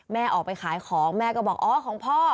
แม่ออกไปขายของแม่ก็บอกอ๋อของพ่อ